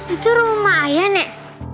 itu rumah ayah nek